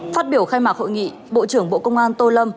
phát biểu khai mạc hội nghị bộ trưởng bộ công an tô lâm